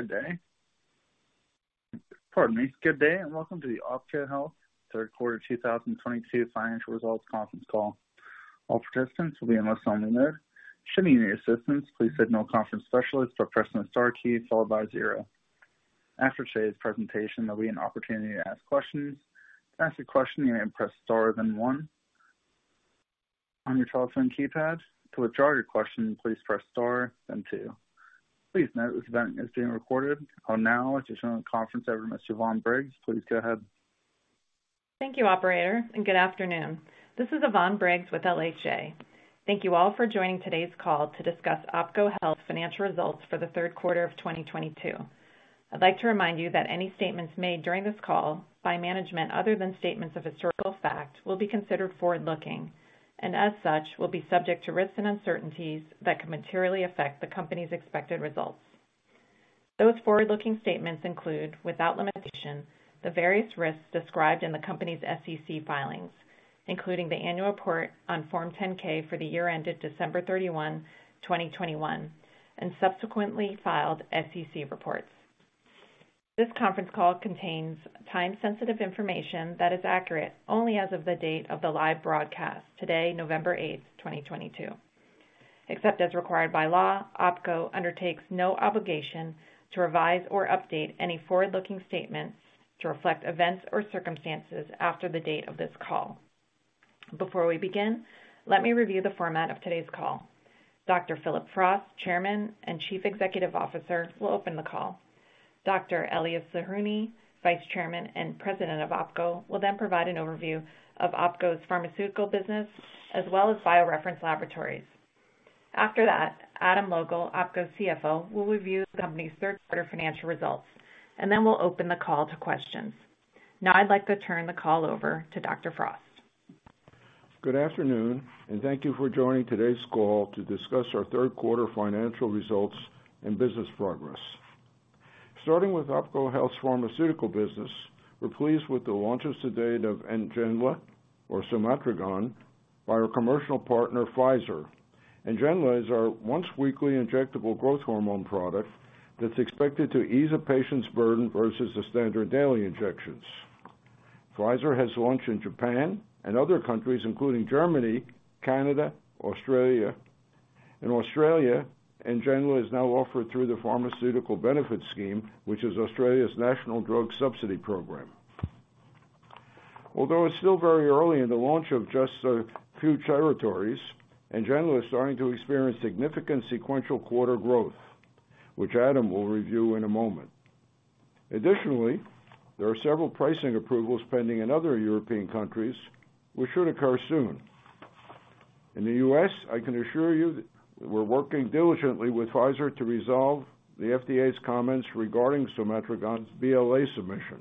Good day. Pardon me. Good day, and welcome to the OPKO Health third quarter 2022 financial results conference call. All participants will be on a listen only mode. Should you need assistance, please signal conference specialist by pressing the star key followed by zero. After today's presentation, there'll be an opportunity to ask questions. To ask a question, you may press star then one on your telephone keypad. To withdraw your question, please press star then two. Please note this event is being recorded. I'll now turn the conference over to Ms. Yvonne Briggs. Please go ahead. Thank you operator, and good afternoon. This is Yvonne Briggs with LHA. Thank you all for joining today's call to discuss OPKO Health financial results for the third quarter of 2022. I'd like to remind you that any statements made during this call by management, other than statements of historical fact, will be considered forward-looking, and as such, will be subject to risks and uncertainties that could materially affect the company's expected results. Those forward-looking statements include, without limitation, the various risks described in the company's SEC filings, including the annual report on Form 10-K for the year ended December 31, 2021, and subsequently filed SEC reports. This conference call contains time-sensitive information that is accurate only as of the date of the live broadcast. Today, November 8, 2022. Except as required by law, OPKO undertakes no obligation to revise or update any forward-looking statements to reflect events or circumstances after the date of this call. Before we begin, let me review the format of today's call. Dr. Phillip Frost, Chairman and Chief Executive Officer, will open the call. Dr. Elias Zerhouni, Vice Chairman and President of OPKO, will then provide an overview of OPKO's pharmaceutical business as well as BioReference Laboratories. After that, Adam Logal, OPKO's CFO, will review the company's third quarter financial results, and then we'll open the call to questions. Now I'd like to turn the call over to Dr. Frost. Good afternoon and thank you for joining today's call to discuss our third quarter financial results and business progress. Starting with OPKO Health's pharmaceutical business, we're pleased with the launch of Jadian, our NGENLA or somatrogon by our commercial partner, Pfizer. NGENLA is our once weekly injectable growth hormone product that's expected to ease a patient's burden versus the standard daily injections. Pfizer has launched in Japan and other countries, including Germany, Canada, Australia. In Australia, NGENLA is now offered through the Pharmaceutical Benefits Scheme, which is Australia's national drug subsidy program. Although it's still very early in the launch of just a few territories, NGENLA is starting to experience significant sequential quarter growth, which Adam will review in a moment. Additionally, there are several pricing approvals pending in other European countries, which should occur soon. In the U.S., I can assure you that we're working diligently with Pfizer to resolve the FDA's comments regarding somatrogon's BLA submission.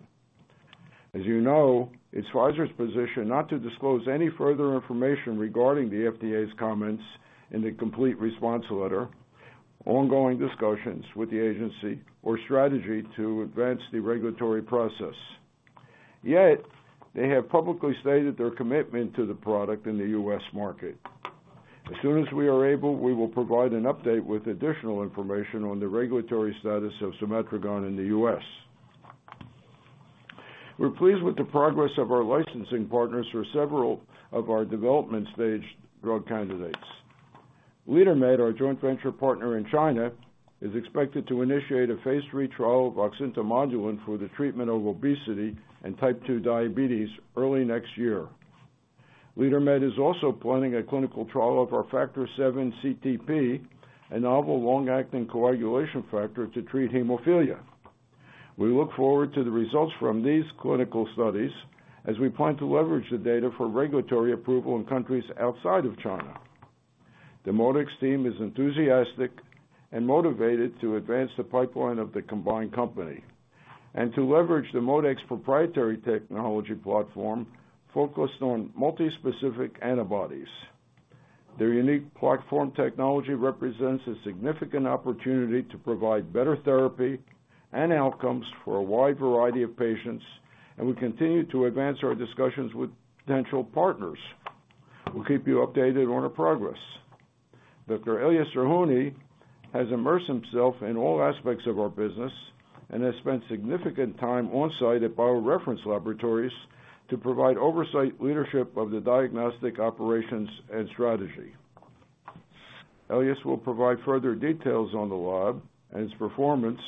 As you know, it's Pfizer's position not to disclose any further information regarding the FDA's comments in the complete response letter, ongoing discussions with the agency or strategy to advance the regulatory process. Yet they have publicly stated their commitment to the product in the U.S. market. As soon as we are able, we will provide an update with additional information on the regulatory status of somatrogon in the U.S. We're pleased with the progress of our licensing partners for several of our development stage drug candidates. LeaderMed, our joint venture partner in China, is expected to initiate a phase 3 trial of oxyntomodulin for the treatment of obesity and type two diabetes early next year. LeaderMed is also planning a clinical trial of our Factor VIIa-CTP, a novel long-acting coagulation factor to treat hemophilia. We look forward to the results from these clinical studies as we plan to leverage the data for regulatory approval in countries outside of China. The ModeX team is enthusiastic and motivated to advance the pipeline of the combined company and to leverage the ModeX proprietary technology platform focused on multispecific antibodies. Their unique platform technology represents a significant opportunity to provide better therapy and outcomes for a wide variety of patients, and we continue to advance our discussions with potential partners. We'll keep you updated on our progress. Dr. Elias Zerhouni has immersed himself in all aspects of our business and has spent significant time on site at BioReference Laboratories to provide oversight, leadership of the diagnostic operations and strategy. Elias will provide further details on the lab and its performance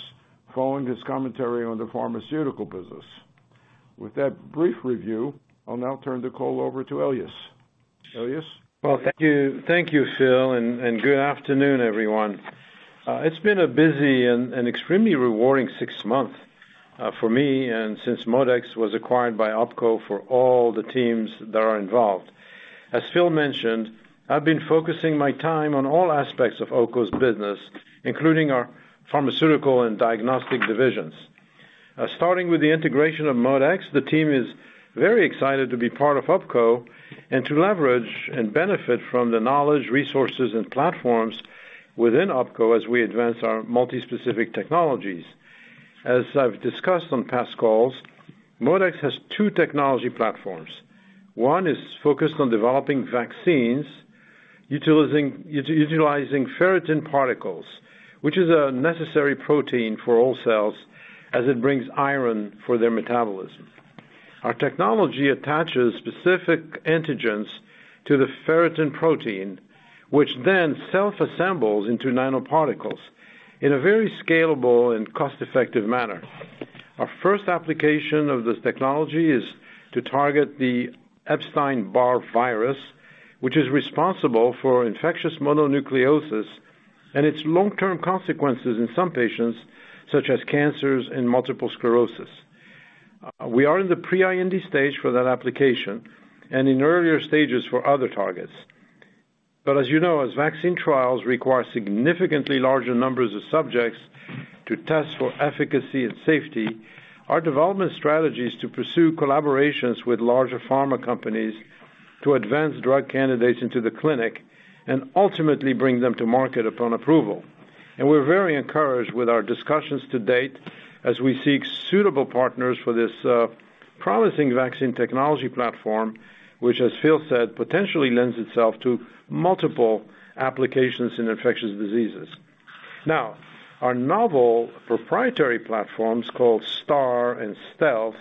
following his commentary on the pharmaceutical business. With that brief review, I'll now turn the call over to Elias. Elias? Well, thank you. Thank you, Phil, and good afternoon, everyone. It's been a busy and extremely rewarding six months for me and since ModeX was acquired by OPKO, for all the teams that are involved. As Phil mentioned, I've been focusing my time on all aspects of OPKO's business, including our pharmaceutical and diagnostic divisions. Starting with the integration of ModeX, the team is very excited to be part of OPKO and to leverage and benefit from the knowledge, resources, and platforms within OPKO as we advance our multi-specific technologies. As I've discussed on past calls, ModeX has two technology platforms. One is focused on developing vaccines utilizing ferritin particles, which is a necessary protein for all cells as it brings iron for their metabolism. Our technology attaches specific antigens to the ferritin protein, which then self-assembles into nanoparticles in a very scalable and cost-effective manner. Our first application of this technology is to target the Epstein-Barr virus, which is responsible for infectious mononucleosis and its long-term consequences in some patients, such as cancers and multiple sclerosis. We are in the pre-IND stage for that application and in earlier stages for other targets. As you know, as vaccine trials require significantly larger numbers of subjects to test for efficacy and safety, our development strategy is to pursue collaborations with larger pharma companies to advance drug candidates into the clinic and ultimately bring them to market upon approval. We're very encouraged with our discussions to date as we seek suitable partners for this, promising vaccine technology platform, which, as Phil said, potentially lends itself to multiple applications in infectious diseases. Now, our novel proprietary platforms, called STAR and Stealth,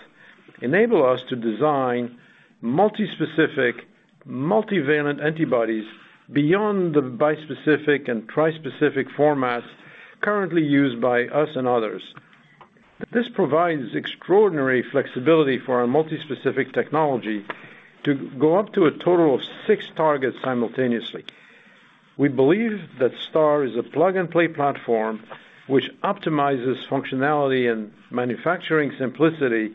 enable us to design multi-specific, multivalent antibodies beyond the bispecific and trispecific formats currently used by us and others. This provides extraordinary flexibility for our multi-specific technology to go up to a total of six targets simultaneously. We believe that STAR is a plug-and-play platform which optimizes functionality and manufacturing simplicity,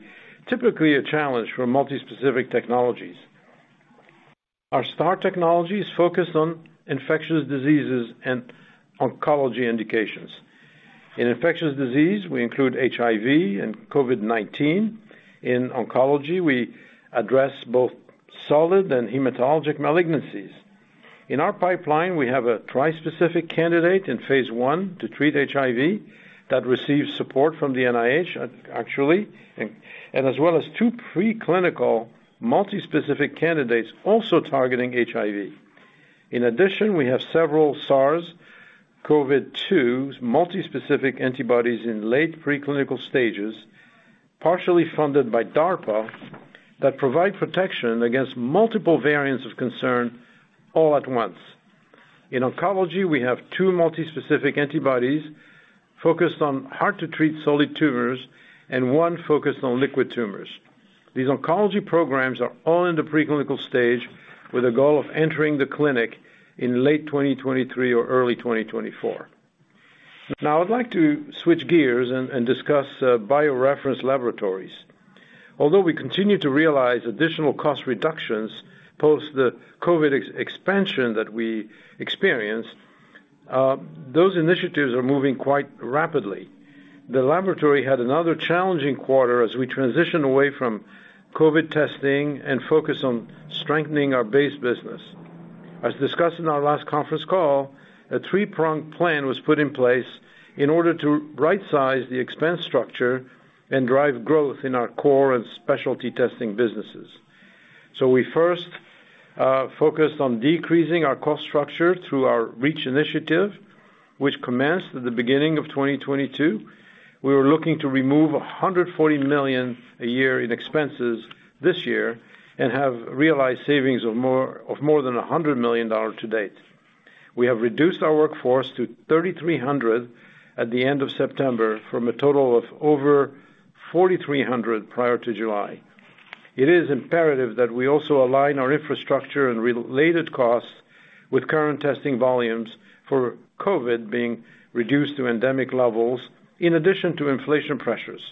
typically a challenge for multi-specific technologies. Our STAR technology is focused on infectious diseases and oncology indications. In infectious disease, we include HIV and COVID-19. In oncology, we address both solid and hematologic malignancies. In our pipeline, we have a trispecific candidate in phase one to treat HIV that receives support from the NIH, two preclinical multi-specific candidates also targeting HIV. In addition, we have several SARS-CoV-2 multi-specific antibodies in late preclinical stages, partially funded by DARPA, that provide protection against multiple variants of concern all at once. In oncology, we have two multi-specific antibodies focused on hard-to-treat solid tumors and one focused on liquid tumors. These oncology programs are all in the preclinical stage with a goal of entering the clinic in late 2023 or early 2024. Now I'd like to switch gears and discuss BioReference Laboratories. Although we continue to realize additional cost reductions post the COVID expansion that we experienced, those initiatives are moving quite rapidly. The laboratory had another challenging quarter as we transition away from COVID testing and focus on strengthening our base business. As discussed in our last conference call, a three-pronged plan was put in place in order to rightsize the expense structure and drive growth in our core and specialty testing businesses. We first focused on decreasing our cost structure through our REACH initiative, which commenced at the beginning of 2022. We were looking to remove $140 million a year in expenses this year and have realized savings of more than $100 million to date. We have reduced our workforce to 3,300 at the end of September from a total of over 4,300 prior to July. It is imperative that we also align our infrastructure and related costs with current testing volumes for COVID being reduced to endemic levels in addition to inflation pressures.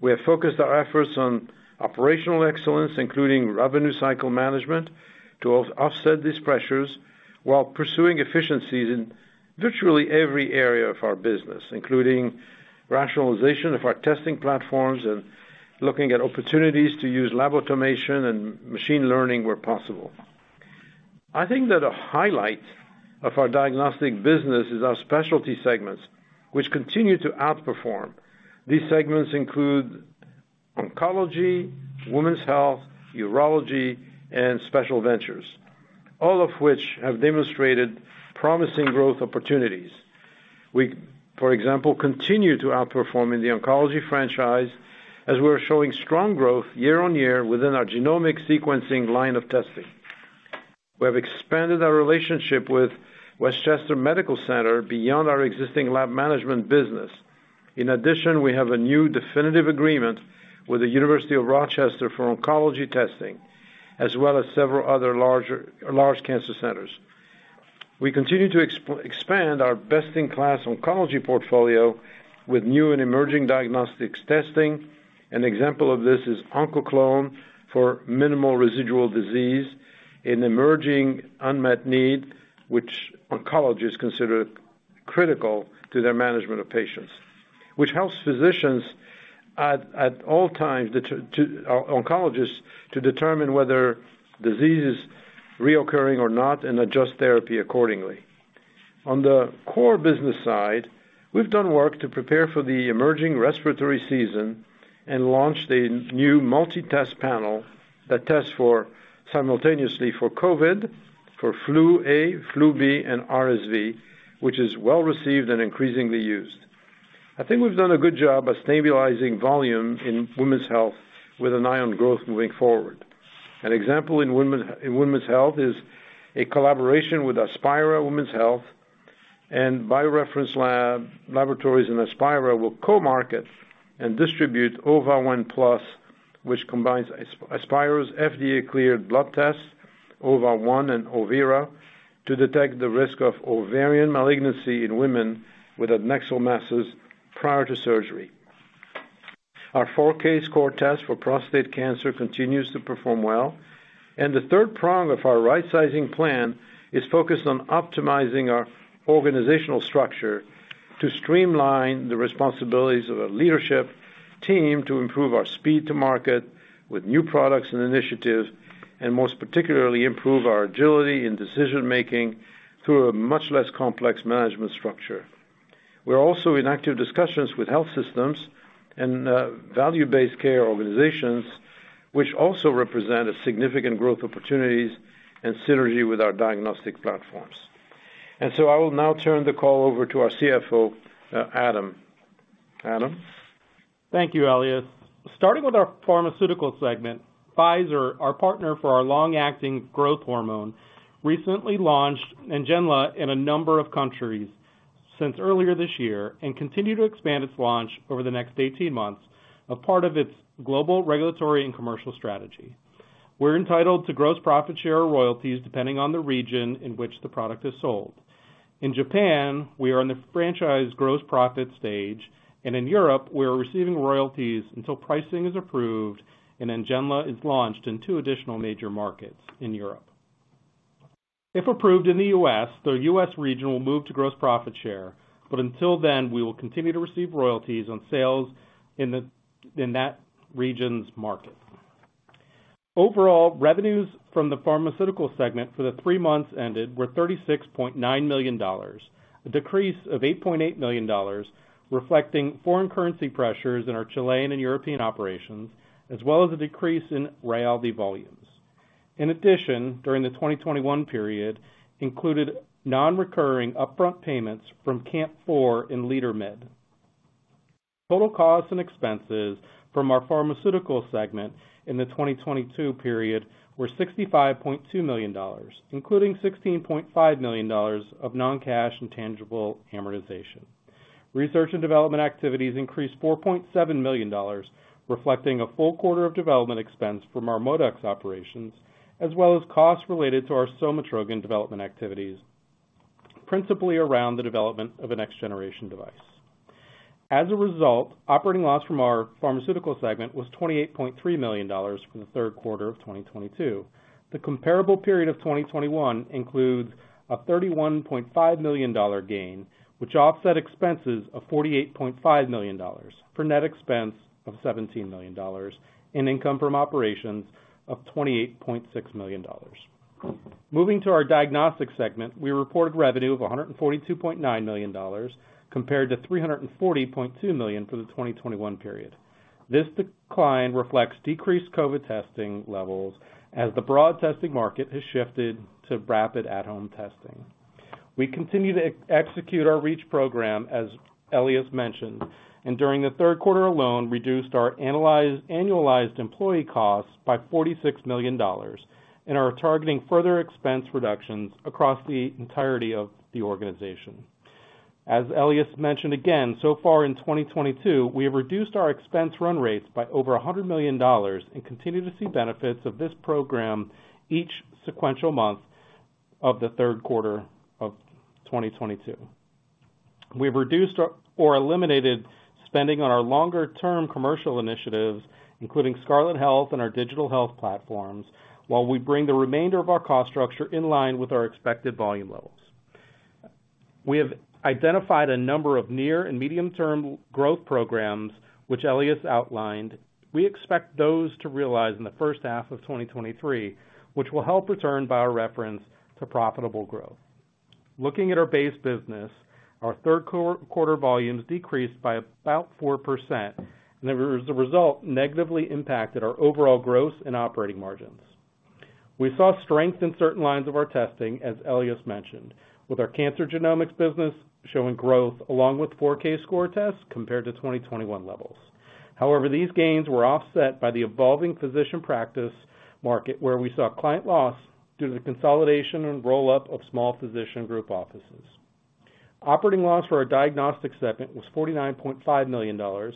We have focused our efforts on operational excellence, including revenue cycle management, to offset these pressures while pursuing efficiencies in virtually every area of our business, including rationalization of our testing platforms and looking at opportunities to use lab automation and machine learning where possible. I think that a highlight of our diagnostic business is our specialty segments, which continue to outperform. These segments include oncology, women's health, urology, and special ventures, all of which have demonstrated promising growth opportunities. We, for example, continue to outperform in the oncology franchise as we're showing strong growth year-on-year within our genomic sequencing line of testing. We have expanded our relationship with Westchester Medical Center beyond our existing lab management business. In addition, we have a new definitive agreement with the University of Rochester for oncology testing, as well as several other larger cancer centers. We continue to expand our best-in-class oncology portfolio with new and emerging diagnostics testing. An example of this is ONKOCLONE for minimal residual disease, an emerging unmet need which oncologists consider critical to their management of patients, which helps oncologists to determine whether disease is recurring or not and adjust therapy accordingly. On the core business side, we've done work to prepare for the emerging respiratory season and launched a new multi-test panel that tests simultaneously for COVID, for flu A, flu B, and RSV, which is well-received and increasingly used. I think we've done a good job of stabilizing volume in women's health with an eye on growth moving forward. An example in women, in women's health is a collaboration with Aspira Women's Health and BioReference Laboratories and Aspira will co-market and distribute OVA1+, which combines Aspira's FDA-cleared blood test, OVA1 and Overa, to detect the risk of ovarian malignancy in women with adnexal masses prior to surgery. Our 4Kscore test for prostate cancer continues to perform well, and the third prong of our rightsizing plan is focused on optimizing our organizational structure to streamline the responsibilities of our leadership team to improve our speed to market with new products and initiatives, and most particularly, improve our agility in decision-making through a much less complex management structure. We're also in active discussions with health systems and value-based care organizations, which also represent a significant growth opportunities and synergy with our diagnostic platforms. I will now turn the call over to our CFO, Adam. Adam? Thank you, Elias. Starting with our pharmaceutical segment, Pfizer, our partner for our long-acting growth hormone, recently launched NGENLA in a number of countries since earlier this year and continue to expand its launch over the next 18 months as part of its global regulatory and commercial strategy. We're entitled to gross profit share royalties depending on the region in which the product is sold. In Japan, we are in the gross profit share stage, and in Europe, we are receiving royalties until pricing is approved and NGENLA is launched in 2 additional major markets in Europe. If approved in the U.S., the U.S. region will move to gross profit share, but until then, we will continue to receive royalties on sales in that region's market. Overall, revenues from the pharmaceutical segment for the three months ended were $36.9 million, a decrease of $8.8 million, reflecting foreign currency pressures in our Chilean and European operations, as well as a decrease in Rayaldee volumes. In addition, during the 2021 period included non-recurring upfront payments from CAMP4 and LeaderMed. Total costs and expenses from our pharmaceutical segment in the 2022 period were $65.2 million, including $16.5 million of non-cash and tangible amortization. Research and development activities increased $4.7 million, reflecting a full quarter of development expense from our ModeX operations, as well as costs related to our somatrogon development activities, principally around the development of a next generation device. As a result, operating loss from our pharmaceutical segment was $28.3 million for the third quarter of 2022. The comparable period of 2021 includes a $31.5 million gain, which offset expenses of $48.5 million for net expense of $17 million and income from operations of $28.6 million. Moving to our diagnostic segment, we reported revenue of $142.9 million compared to $340.2 million for the 2021 period. This decline reflects decreased COVID testing levels as the broad testing market has shifted to rapid at-home testing. We continue to execute our REACH program, as Elias mentioned, and during the third quarter alone, reduced our annualized employee costs by $46 million and are targeting further expense reductions across the entirety of the organization. As Elias mentioned again, so far in 2022, we have reduced our expense run rates by over $100 million and continue to see benefits of this program each sequential month of the third quarter of 2022. We've reduced or eliminated spending on our longer term commercial initiatives, including Scarlet Health and our digital health platforms, while we bring the remainder of our cost structure in line with our expected volume levels. We have identified a number of near and medium-term growth programs which Elias outlined. We expect those to realize in the first half of 2023, which will help return BioReference to profitable growth. Looking at our base business, our third quarter volumes decreased by about 4%, and as a result, negatively impacted our overall gross and operating margins. We saw strength in certain lines of our testing, as Elias mentioned, with our cancer genomics business showing growth along with 4Kscore tests compared to 2021 levels. However, these gains were offset by the evolving physician practice market, where we saw client loss due to the consolidation and roll-up of small physician group offices. Operating loss for our diagnostic segment was $49.5 million,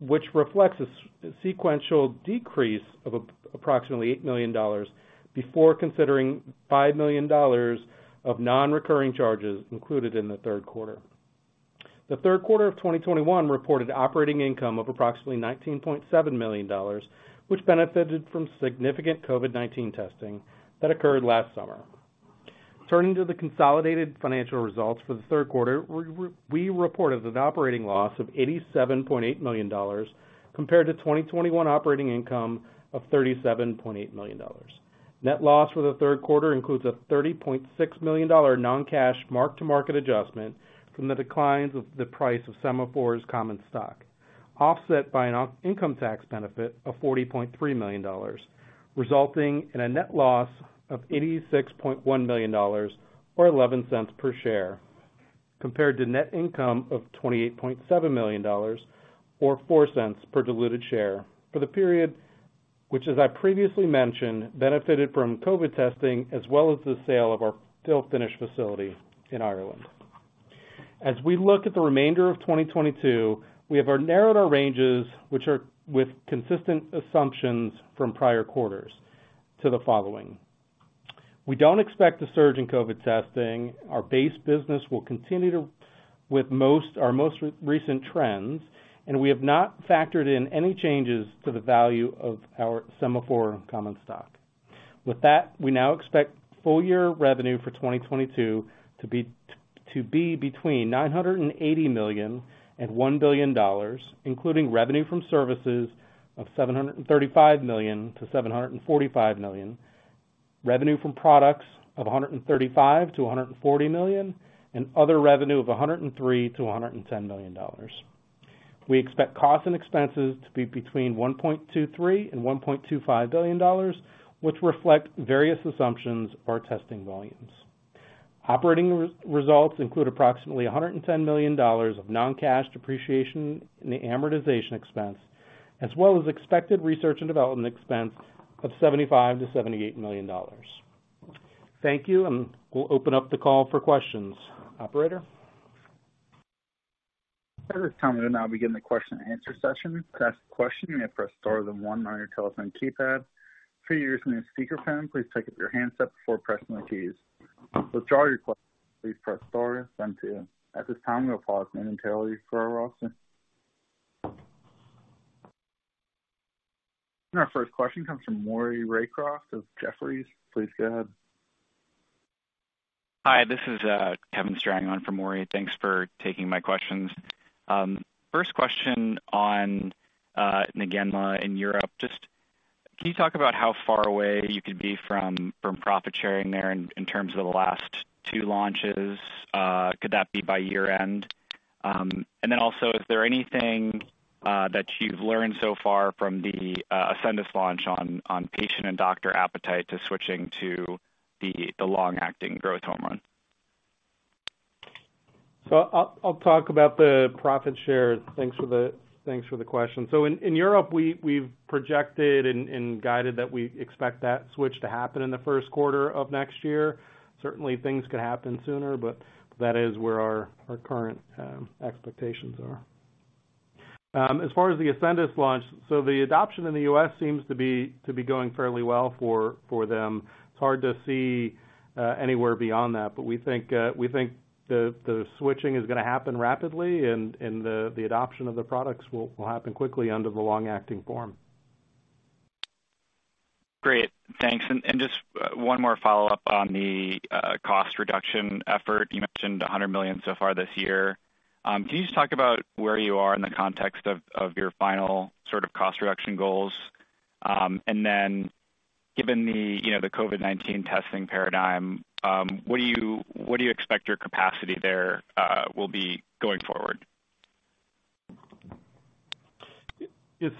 which reflects a sequential decrease of approximately $8 million before considering $5 million of non-recurring charges included in the third quarter. The third quarter of 2021 reported operating income of approximately $19.7 million, which benefited from significant COVID-19 testing that occurred last summer. Turning to the consolidated financial results for the third quarter, we reported an operating loss of $87.8 million compared to 2021 operating income of $37.8 million. Net loss for the third quarter includes a $30.6 million non-cash mark-to-market adjustment from the decline in the price of Sema4's common stock, offset by an income tax benefit of $40.3 million, resulting in a net loss of $86.1 million or $0.11 per share, compared to net income of $28.7 million or $0.04 per diluted share for the period, which, as I previously mentioned, benefited from COVID testing as well as the sale of our sterile fill-finish facility in Ireland. As we look at the remainder of 2022, we have narrowed our ranges, which are with consistent assumptions from prior quarters to the following. We don't expect a surge in COVID testing. Our base business will continue with our most recent trends, and we have not factored in any changes to the value of our Sema4 common stock. With that, we now expect full-year revenue for 2022 to be between $980 million and $1 billion, including revenue from services of $735 million-$745 million, revenue from products of $135 million-$140 million, and other revenue of $103 million-$110 million. We expect costs and expenses to be between $1.23 billion and $1.25 billion, which reflect various assumptions for our testing volumes. Operating results include approximately $110 million of non-cash depreciation and amortization expense, as well as expected research and development expense of $75 million-$78 million. Thank you. We'll open up the call for questions. Operator? At this time, we'll now begin the question and answer session. To ask a question, you may press star then one on your telephone keypad. To use your speaker phone, please pick up your handset before pressing the keys. Withdraw your question, please press star then two. At this time, we'll pause momentarily for our roster. Our first question comes from Maury Raycroft of Jefferies. Please go ahead. Hi, this is Kevin Strang along for Maury Raycroft. Thanks for taking my questions. First question on NGENLA in Europe. Just can you talk about how far away you could be from profit sharing there in terms of the last two launches? Could that be by year-end? And then also, is there anything that you've learned so far from the Ascendis launch on patient and doctor appetite to switching to the long-acting growth hormone? I'll talk about the profit share. Thanks for the question. In Europe, we've projected and guided that we expect that switch to happen in the first quarter of next year. Certainly, things could happen sooner, but that is where our current expectations are. As far as the Ascendis launch, the adoption in the US seems to be going fairly well for them. It's hard to see anywhere beyond that, but we think the switching is gonna happen rapidly and the adoption of the products will happen quickly under the long-acting form. Great. Thanks. Just one more follow-up on the cost reduction effort. You mentioned $100 million so far this year. Can you just talk about where you are in the context of your final sort of cost reduction goals? Given the COVID-19 testing paradigm, what do you expect your capacity there will be going forward? We,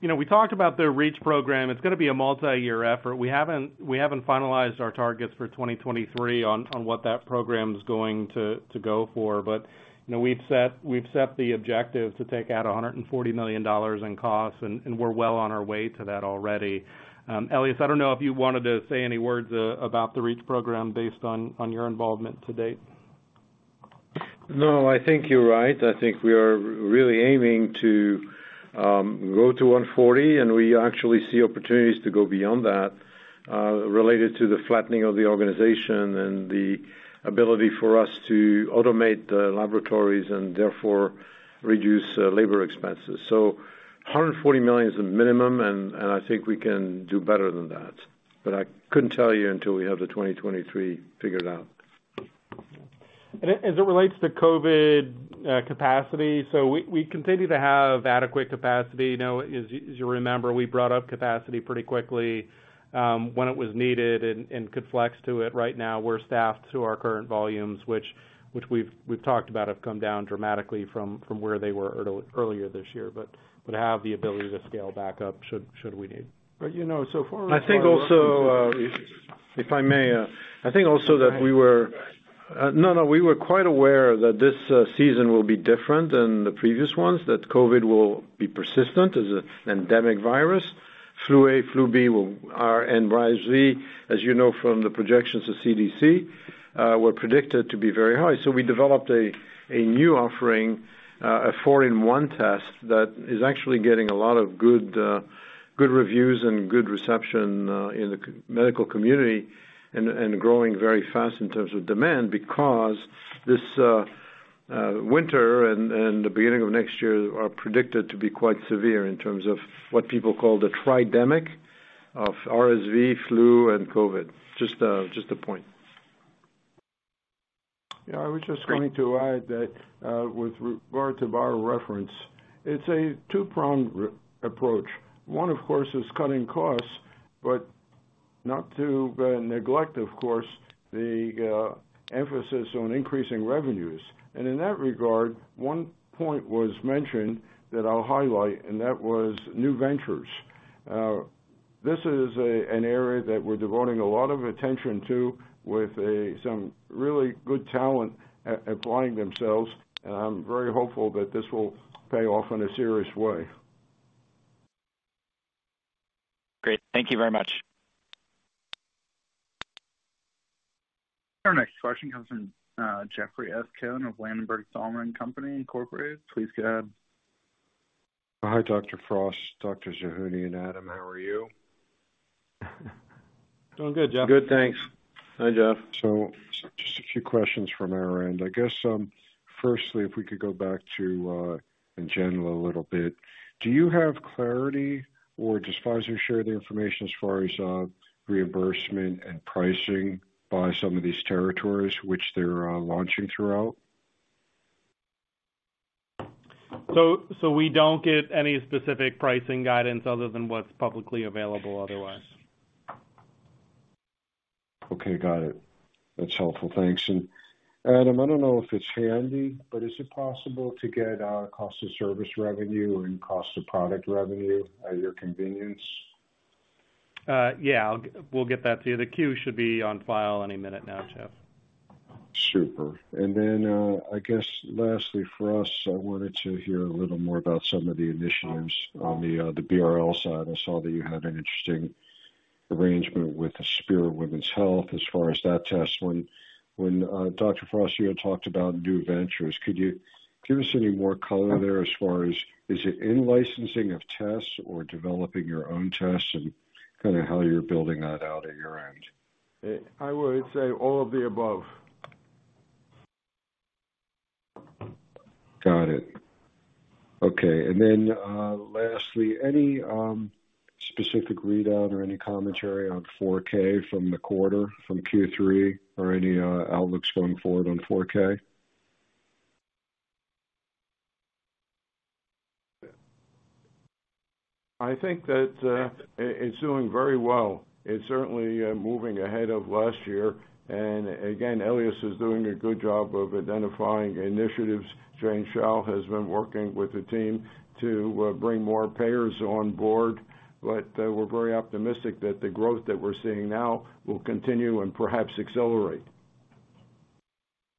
you know, talked about the REACH program. It's gonna be a multi-year effort. We haven't finalized our targets for 2023 on what that program's going to go for. You know, we've set the objective to take out $140 million in costs, and we're well on our way to that already. Elias, I don't know if you wanted to say any words about the REACH program based on your involvement to date. No, I think you're right. I think we are really aiming to go to $140 million, and we actually see opportunities to go beyond that, related to the flattening of the organization and the ability for us to automate the laboratories and therefore reduce labor expenses. $140 million is a minimum, and I think we can do better than that. I couldn't tell you until we have the 2023 figured out. It relates to COVID capacity, so we continue to have adequate capacity. You know, as you remember, we brought up capacity pretty quickly, when it was needed and could flex to it. Right now, we're staffed to our current volumes, which we've talked about, have come down dramatically from where they were earlier this year, but have the ability to scale back up should we need. You know, so far as. I think also, if I may, we were quite aware that this season will be different than the previous ones, that COVID will be persistent as an endemic virus. Flu A, flu B, and RSV, as you know from the projections of CDC, were predicted to be very high. We developed a new offering, a four-in-one test that is actually getting a lot of good reviews and good reception in the medical community and growing very fast in terms of demand because this winter and the beginning of next year are predicted to be quite severe in terms of what people call the tridemic of RSV, flu, and COVID. Just a point. Great. Yeah, I was just going to add that, with regard to our reference, it's a two-pronged approach. One, of course, is cutting costs, but not to neglect, of course, the emphasis on increasing revenues. In that regard, one point was mentioned that I'll highlight, and that was new ventures. This is an area that we're devoting a lot of attention to with some really good talent applying themselves. I'm very hopeful that this will pay off in a serious way. Great. Thank you very much. Our next question comes from Jeffrey S. Cohen of Ladenburg Thalmann & Co. Inc. Please go ahead. Hi, Dr. Frost, Dr. Zerhouni, and Adam. How are you? Doing good, Jeff. Good, thanks. Hi, Jeff. Just a few questions from our end. I guess, firstly, if we could go back to NGENLA a little bit. Do you have clarity, or does Pfizer share the information as far as reimbursement and pricing by some of these territories which they're launching throughout? We don't get any specific pricing guidance other than what's publicly available otherwise. Okay, got it. That's helpful. Thanks. Adam, I don't know if it's handy, but is it possible to get cost of service revenue and cost of product revenue at your convenience? Yeah. We'll get that to you. The queue should be online any minute now, Jeff. Super. I guess lastly for us, I wanted to hear a little more about some of the initiatives on the BRL side. I saw that you had an interesting arrangement with the Aspira Women's Health as far as that test. When Dr. Frost, you had talked about new ventures, could you give us any more color there as far as is it in-licensing of tests or developing your own tests and kinda how you're building that out at your end? I would say all of the above. Got it. Okay. Lastly, any specific readout or any commentary on 4Kscore from the quarter, from Q3, or any outlooks going forward on 4Kscore? I think that it's doing very well. It's certainly moving ahead of last year. Again, Elias is doing a good job of identifying initiatives. Jane Hsiao has been working with the team to bring more payers on board. We're very optimistic that the growth that we're seeing now will continue and perhaps accelerate.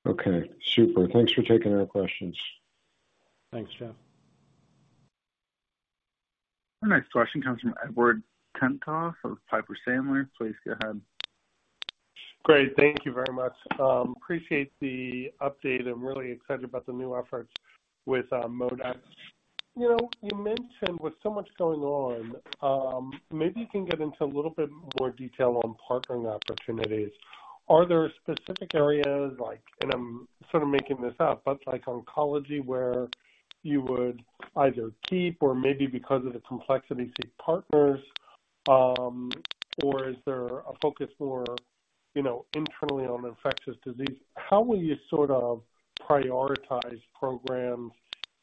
Okay, super. Thanks for taking our questions. Thanks, Jeff. Our next question comes from Edward Tenthoff of Piper Sandler. Please go ahead. Great. Thank you very much. Appreciate the update. I'm really excited about the new efforts with ModeX. You know, you mentioned with so much going on, maybe you can get into a little bit more detail on partnering opportunities. Are there specific areas like, and I'm sort of making this up, but like oncology where you would either keep or maybe because of the complexity seek partners, or is there a focus more, you know, internally on infectious disease? How will you sort of prioritize programs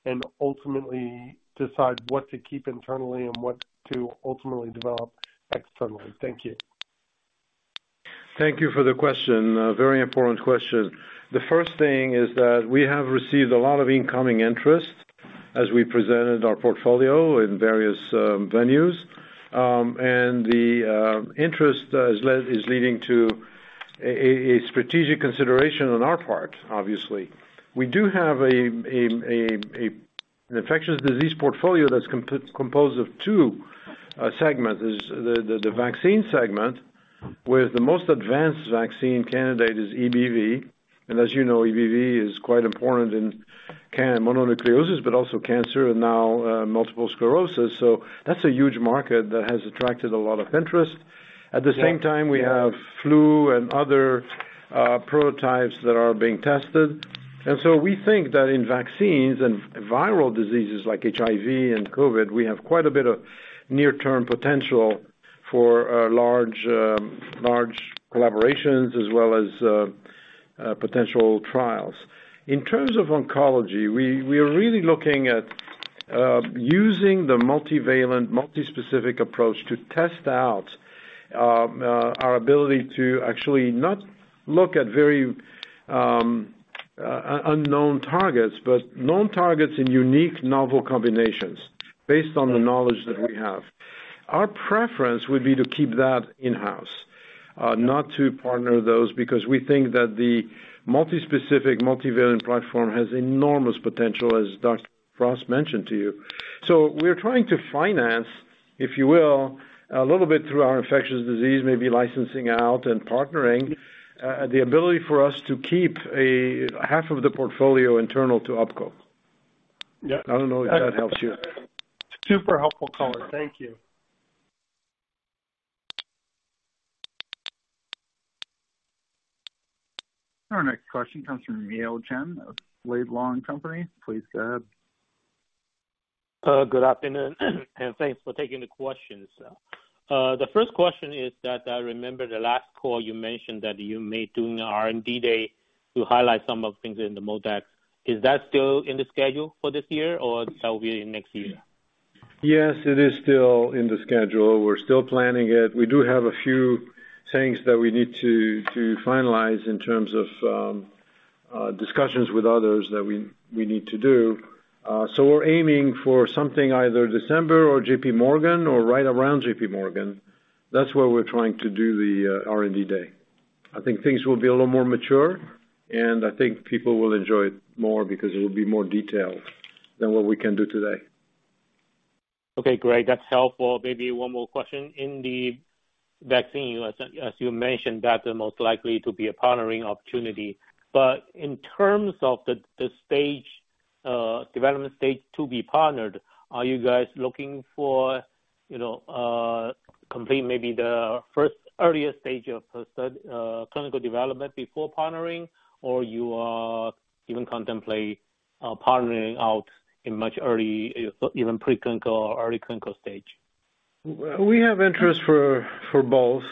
and ultimately decide what to keep internally and what to ultimately develop externally? Thank you. Thank you for the question. A very important question. The first thing is that we have received a lot of incoming interest as we presented our portfolio in various venues. The interest is leading to a strategic consideration on our part, obviously. We do have an infectious disease portfolio that's composed of two segments. It's the vaccine segment, where the most advanced vaccine candidate is EBV. As you know, EBV is quite important in mononucleosis, but also cancer and now multiple sclerosis. That's a huge market that has attracted a lot of interest. At the same time, we have flu and other prototypes that are being tested. We think that in vaccines and viral diseases like HIV and COVID, we have quite a bit of near-term potential for large collaborations as well as potential trials. In terms of oncology, we are really looking at using the multivalent, multi-specific approach to test out our ability to actually not look at very unknown targets, but known targets in unique novel combinations based on the knowledge that we have. Our preference would be to keep that in-house, not to partner those, because we think that the multi-specific, multivalent platform has enormous potential, as Dr. Frost mentioned to you. We're trying to finance, if you will, a little bit through our infectious disease, maybe licensing out and partnering the ability for us to keep a half of the portfolio internal to OPKO. Yeah. I don't know if that helps you. Super helpful color. Thank you. Our next question comes from Yale Jen of Laidlaw & Company. Please go ahead. Good afternoon, and thanks for taking the questions. The first question is that I remember the last call you mentioned that you may do an R&D day to highlight some of the things in the ModeX. Is that still in the schedule for this year, or that will be in next year? Yes, it is still in the schedule. We're still planning it. We do have a few things that we need to finalize in terms of discussions with others that we need to do. So we're aiming for something either December or JP Morgan or right around JP Morgan. That's where we're trying to do the R&D day. I think things will be a little more mature, and I think people will enjoy it more because it will be more detailed than what we can do today. Okay, great. That's helpful. Maybe one more question. In the vaccine, as you mentioned, that's the most likely to be a partnering opportunity. In terms of the stage, development stage to be partnered, are you guys looking for, you know, complete maybe the first earliest stage of clinical development before partnering or you even contemplate partnering out in much early, even preclinical or early clinical stage? We have interest for both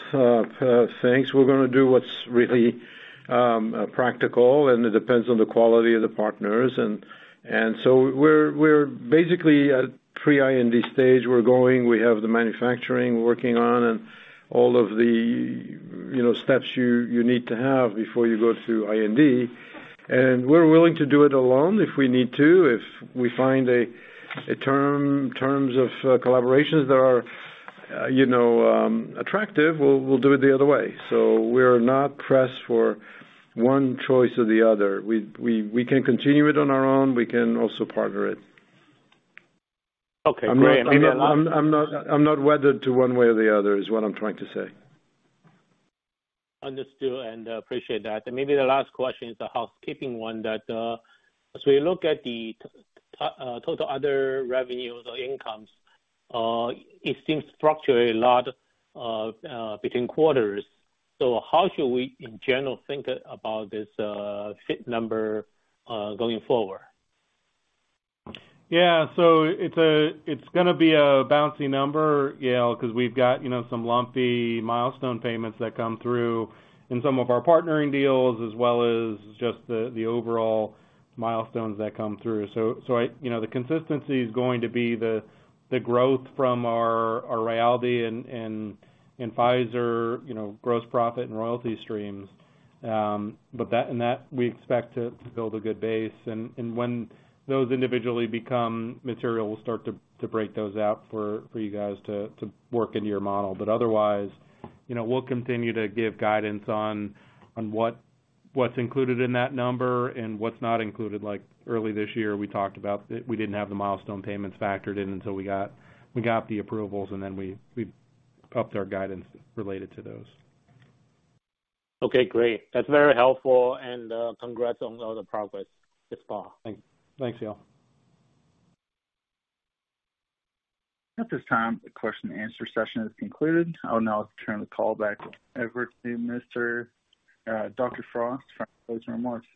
things. We're gonna do what's really practical, and it depends on the quality of the partners. We're basically at pre-IND stage. We're going, we have the manufacturing working on and all of the, you know, steps you need to have before you go through IND. We're willing to do it alone if we need to. If we find terms of collaborations that are, you know, attractive, we'll do it the other way. We're not pressed for one choice or the other. We can continue it on our own. We can also partner it. Okay, great. I'm not wedded to one way or the other is what I'm trying to say. Understood and appreciate that. Maybe the last question is a housekeeping one that, as we look at the total other revenues or incomes, it seems structurally a lot between quarters. How should we, in general, think about this FIT number going forward? Yeah. It's gonna be a bouncy number, Yale, 'cause we've got, you know, some lumpy milestone payments that come through in some of our partnering deals, as well as just the overall milestones that come through. You know, the consistency is going to be the growth from our royalty and Pfizer, you know, gross profit and royalty streams. That we expect to build a good base. When those individually become material, we'll start to break those out for you guys to work into your model. Otherwise, you know, we'll continue to give guidance on what's included in that number and what's not included. Like early this year, we talked about it. We didn't have the milestone payments factored in until we got the approvals, and then we upped our guidance related to those. Okay, great. That's very helpful. Congrats on all the progress this far. Thanks. Thanks, Yale. At this time, the question and answer session has concluded. I'll now turn the call back over to Mr. Dr. Frost for closing remarks.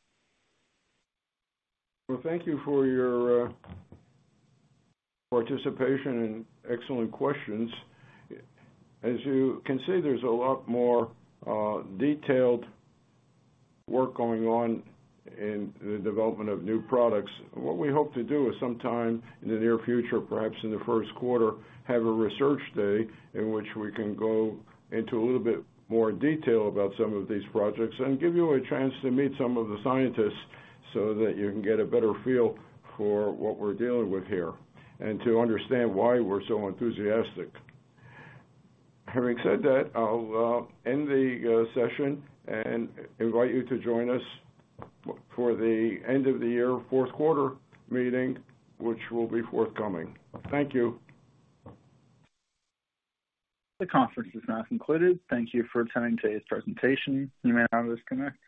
Well, thank you for your participation and excellent questions. As you can see, there's a lot more detailed work going on in the development of new products. What we hope to do is sometime in the near future, perhaps in the first quarter, have a research day in which we can go into a little bit more detail about some of these projects and give you a chance to meet some of the scientists so that you can get a better feel for what we're dealing with here, and to understand why we're so enthusiastic. Having said that, I'll end the session and invite you to join us for the end of the year fourth quarter meeting, which will be forthcoming. Thank you. The conference is now concluded. Thank you for attending today's presentation. You may now disconnect.